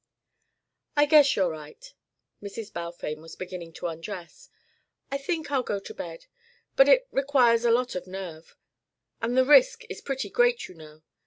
"I guess you're right." Mrs. Balfame was beginning to undress. "I think I'll get into bed But it requires a lot of nerve. And the risk is pretty great, you know.